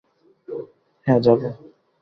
হ্যাঁ, যাবো।